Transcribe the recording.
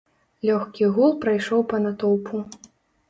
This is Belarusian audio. Лёгкі гул прайшоў па натоўпу.